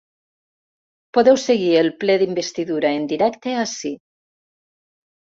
Podeu seguir el ple d’investidura en directe ací.